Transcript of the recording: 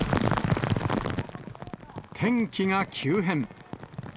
天気が急変。